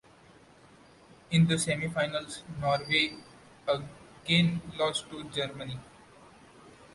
In the semi-finals, Norway again lost to Germany.